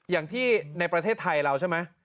อย่างที่ในประเทศไทยเราใช่ไหม